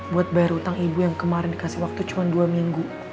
buat bayar utang ibu yang kemarin dikasih waktu cuma dua minggu